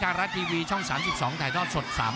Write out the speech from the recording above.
รัฐทีวีช่อง๓๒ถ่ายทอดสด